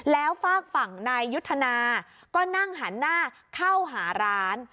แล้วฝากฝั่งนายยุทธนาก็นั่งหันหน้าเข้าหาร้าน